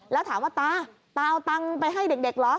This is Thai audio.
แล้วถามว่าตาตาเอาตังค์ไปให้เด็กเหรอ